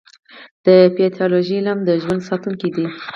د پیتالوژي علم د ژوند ساتونکی دی.